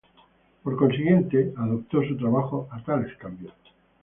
Por consiguiente, adoptó su trabajo a tales cambios.